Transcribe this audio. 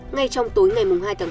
ngay trong tối ngày hai ba